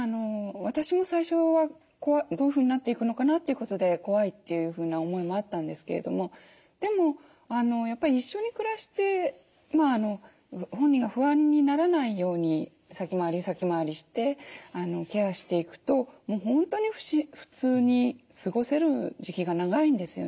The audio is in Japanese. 私も最初はどういうふうになっていくのかなっていうことで怖いというふうな思いもあったんですけれどもでも一緒に暮らして本人が不安にならないように先回り先回りしてケアしていくと本当に普通に過ごせる時期が長いんですよね。